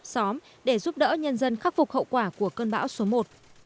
xóm để giúp đỡ nhân dân khắc phục hậu quả của cơn bão số một